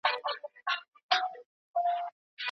هم په اور هم په اوبو کي دي ساتمه